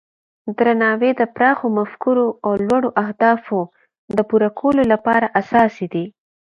درناوی د پراخو مفکورو او لوړو اهدافو د پوره کولو لپاره اساسي دی.